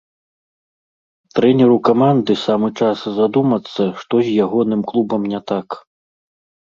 Трэнеру каманды самы час задумацца, што з ягоным клубам не так.